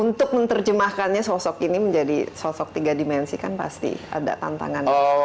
untuk menerjemahkannya sosok ini menjadi sosok tiga dimensi kan pasti ada tantangan